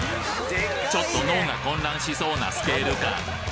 ちょっと脳が混乱しそうなスケール感